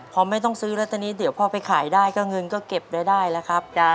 พอไม่ต้องซื้อแล้วตอนนี้เดี๋ยวพอไปขายได้ก็เงินก็เก็บรายได้แล้วครับ